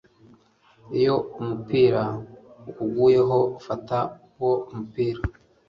iyo umupira ukuguyeho fata uwo mupira